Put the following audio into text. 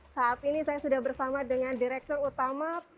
saat ini saya sudah bersama dengan direktur utama